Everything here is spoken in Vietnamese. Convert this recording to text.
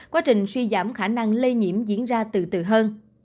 quá trình suy giảm khả năng lây nhiễm diễn ra từ từ hơn